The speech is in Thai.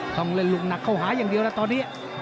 ต้องเล่นลูกหนักเข้าหาอย่างเดียวแล้วตอนนี้